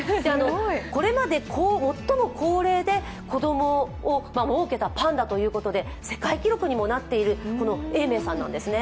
これまで最も高齢で子供をもうけたパンダということで世界記録にもなっている永明さんなんですね。